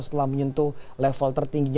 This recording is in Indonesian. setelah menyentuh level tertingginya